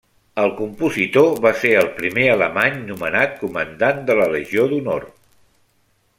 El compositor va ser el primer alemany nomenat Comandant de la Legió d'Honor.